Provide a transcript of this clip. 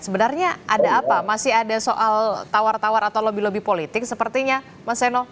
sebenarnya ada apa masih ada soal tawar tawar atau lobby lobby politik sepertinya mas seno